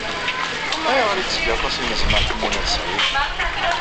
Ayɣer itteg aṭas ineẓman Ḥemmu n At Sɛid?